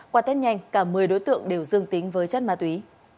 qua tết nhanh cả một mươi đối tượng đều dương tính với chất ma túy